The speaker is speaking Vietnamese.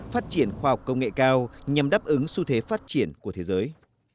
phát triển khoa học công nghệ cao nhằm đáp ứng xu thế phát triển của thế giới